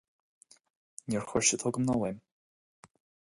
Níor chuir siad chugam ná uaim.